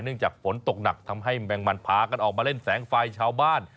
จากฝนตกหนักทำให้แมงมันพากันออกมาเล่นแสงไฟชาวบ้าน